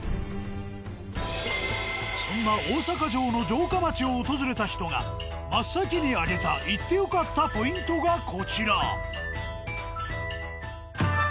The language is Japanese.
そんな大阪城の城下町を訪れた人が真っ先に上げた行って良かったポイントがこちら。